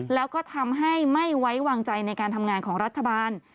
แล้วก็ทำให้ไม่ไว้วางใจในการทำงานของรัฐบาล